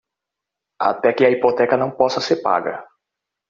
Até que a hipoteca não possa ser paga